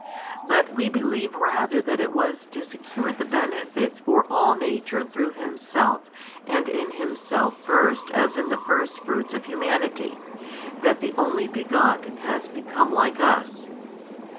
But we believe rather that it was to secure the benefits for all nature through Himself and in Himself first as in the firstfruits of humanity, that the Only begotten has become like us.